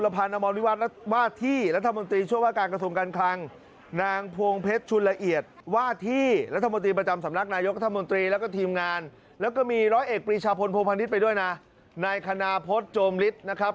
พี่ปริชาพลโพพันฤทธิ์ไปด้วยนะนายคณาพลจมฤทธิ์นะครับ